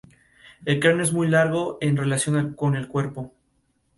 El cráneo es muy largo en relación con el cuerpo.